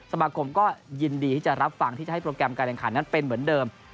สมาคมก็ยินดีที่จะรับฟังที่จะให้โปรแกรมการแข่งขันนั้นเป็นเหมือนเดิม